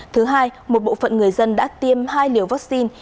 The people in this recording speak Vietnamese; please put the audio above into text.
thứ hai một bộ phận người dân đã tiêm hai liều vaccine